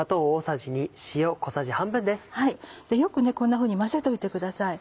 よくこんなふうに混ぜといてください。